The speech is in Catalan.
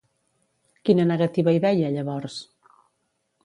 Quina negativa hi veia, llavors?